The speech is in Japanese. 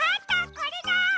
これだ！